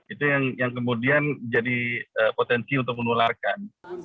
itu yang kemudian jadi potensi untuk menularkan